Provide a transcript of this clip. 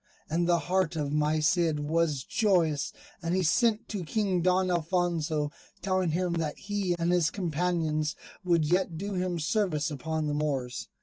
And the heart of my Cid was joyous, and he sent to King Don Alfonso, telling him that he and his companions would yet do him service upon the Moors.